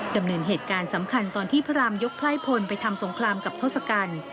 ดำเนินเหตุการณ์สำคัญตอนที่พระรามยกไพร่พลไปทำสงครามกับทศกัณฐ์